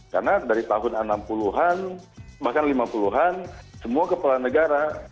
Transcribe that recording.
karena dari tahun enam puluh an bahkan lima puluh an semua kepala negara